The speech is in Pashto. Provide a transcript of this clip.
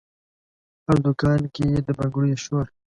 هر دکان کې د بنګړیو شور،